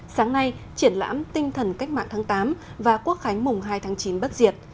sáng nay triển lãm tinh thần cách mạng tháng tám và quốc khánh mùng hai tháng chín bất diệt